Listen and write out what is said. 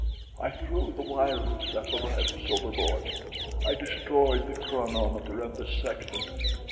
I threw the wireless apparatus overboard. I destroyed the chronometer and the sextant.